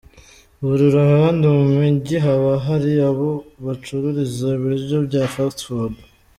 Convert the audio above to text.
Buri ruhande mu mijyi haba hari aho bacururiza ibiryo bya FastFood.